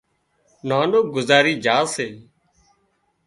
نانوگذارِي جھا سي